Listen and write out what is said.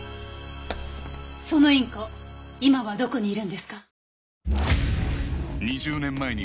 そのインコ今はどこにいるんですか？